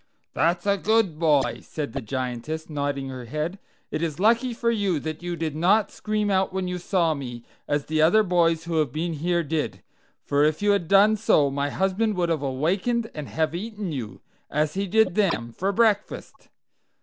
"That's a good boy," said the Giantess, nodding her head; "it is lucky for you that you did not scream out when you saw me, as the other boys who have been here did, for if you had done so my husband would have awakened and have eaten you, as he did them, for breakfast.